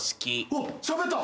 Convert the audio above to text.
うわっしゃべった！